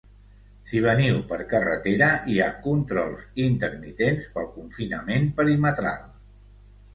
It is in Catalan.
Si veniu per carretera, hi ha controls intermitents pel confinament perimetral.